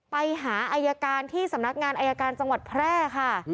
ไปหาอายการที่สำนักงานอายการจังหวัดแพร่ค่ะ